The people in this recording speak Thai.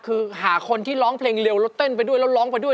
คือหาคนที่ร้องเพลงเร็วแล้วเต้นไปด้วยแล้วร้องไปด้วย